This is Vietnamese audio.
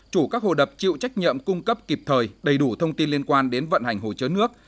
chủ các hồ đập chịu trách nhiệm cung cấp kịp thời đầy đủ thông tin liên quan đến vận hành hồ chứa nước